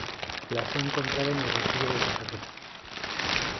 las he encontrado en el bolsillo de tu chaqueta,